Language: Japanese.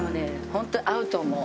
ホント合うと思う。